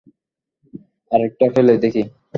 আরেকটা ফেলে দেখি?